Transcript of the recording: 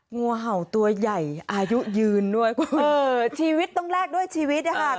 งูเห่าตัวใหญ่อายุยืนด้วยคุณเออชีวิตต้องแลกด้วยชีวิตนะคะ